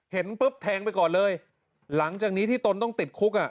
เห็นปุ๊บแทงไปก่อนเลยหลังจากนี้ที่ตนต้องติดคุกอ่ะ